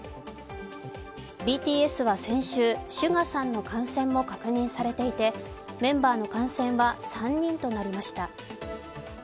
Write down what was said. ＢＴＳは先週、ＳＵＧＡさんの感染も確認されていてメンバーの感染は３人となりました。